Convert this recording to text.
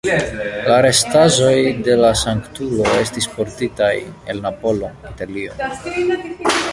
La restaĵoj de la sanktulo estis portitaj el Napolo, Italio.